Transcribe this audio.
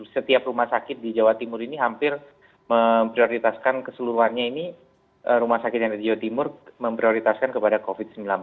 setiap rumah sakit di jawa timur ini hampir memprioritaskan keseluruhannya ini rumah sakit yang ada di jawa timur memprioritaskan kepada covid sembilan belas